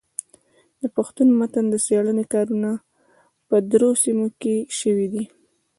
د پښتو متن څېړني کارونه په درو سيمو کي سوي دي.